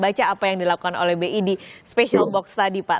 baca apa yang dilakukan oleh bid special box tadi pak